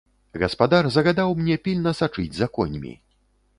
Гаспадар загадаў мне пільна сачыць за коньмі.